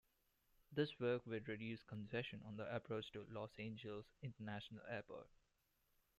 This work would reduce congestion on the approach to Los Angeles International Airport.